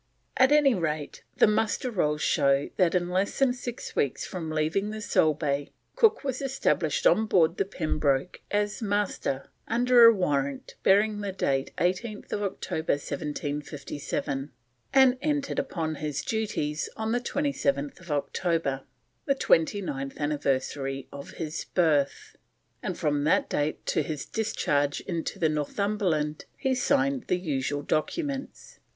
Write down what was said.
At any rate, the Muster Rolls show that in less than six weeks from leaving the Solebay, Cook was established on board the Pembroke as Master, under a warrant bearing date 18th October 1757, and entered upon his duties on 27th October, the twenty ninth anniversary of his birth; and from that date to his discharge into the Northumberland he signed the usual documents.